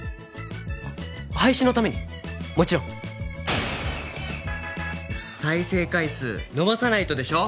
配信のためにもちろん再生回数伸ばさないとでしょ？